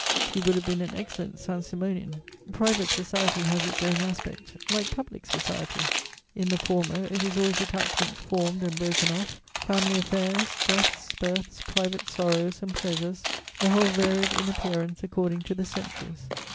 He would have been an excellent Saint Simonian. Private society has its own aspect, like public society: in the former, it is always attachments formed and broken off, family affairs, deaths, births, private sorrows and pleasures; the whole varied in appearance according to the centuries.